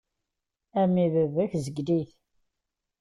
A mmi baba-k tezgel-it.